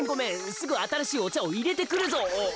すぐあたらしいおちゃをいれてくるぞ。